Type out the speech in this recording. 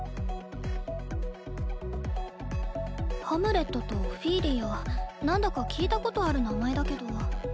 ハムレットとオフィーリアなんだか聞いたことある名前だけど。